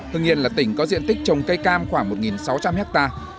hưng yên là tỉnh có diện tích trồng cây cam khoảng một sáu trăm linh hectare